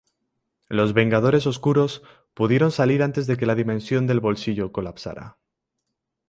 Los Vengadores Oscuros pudieron salir antes de que la dimensión del bolsillo colapsara.